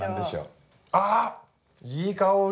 あっいい香り！